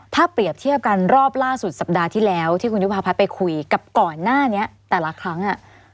ถ้าเปรียบเทียบกันรอบล่าสุดสัปดาห์ที่แล้วที่คุณยุภาพัฒน์ไปคุยกับก่อนหน้านี้แต่ละครั้ง